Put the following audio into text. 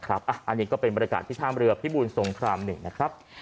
อันนี้ก็เป็นบริการที่ท่านเรือพิบูรณ์สงครามหนึ่ง